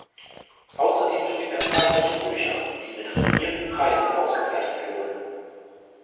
Außerdem schrieb er zahlreiche Bücher, die mit renommierten Preisen ausgezeichnet wurden.